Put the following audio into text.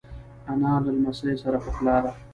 انا له لمسیو سره پخلا ده